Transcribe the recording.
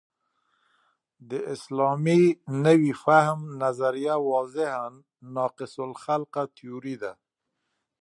د اسلامي نوي فهم نظریه واضحاً ناقص الخلقه تیوري ده.